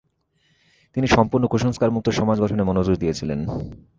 তিনি সম্পূর্ণ কুসংস্কার মুক্ত সমাজ গঠনে মনোযোগ দিয়েছিলেন।